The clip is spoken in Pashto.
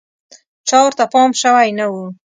چا ورته پام شوی نه و.